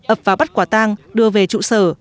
ập vào bắt quả tang đưa về trụ sở